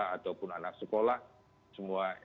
ataupun anak sekolah semua